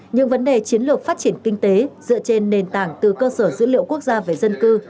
những vấn đề chiến lược phát triển kinh tế dựa trên nền tảng từ cơ sở dữ liệu quốc gia về dân cư